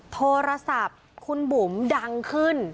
โทรศัพท์คุณบุ๋มดังขึ้น